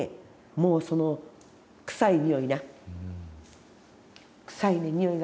路上者の臭いにおいな。